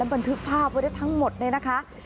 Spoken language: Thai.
และบันทึกภาพเลยทั้งหมดเลยนะคะ